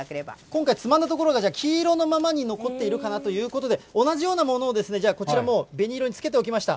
今回、つまんだところが黄色のままに残っているということなので、物をじゃあ、こちらもう、べに色につけておきました。